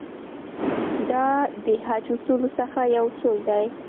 دا د حج اصولو څخه یو اصل دی.